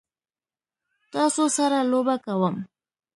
تاسو سره لوبه کوم؟